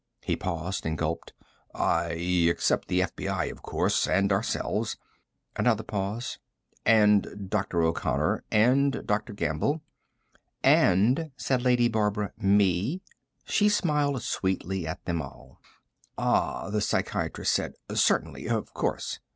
He paused and gulped. "I except the FBI, of course and ourselves." Another pause. "And Dr. O'Connor and Dr. Gamble." "And," said Lady Barbara, "me." She smiled sweetly at them all. "Ah," the psychiatrist said. "Certainly. Of course."